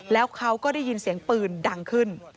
แล้วเขาก็ได้ยินเสียงปืนดังขึ้น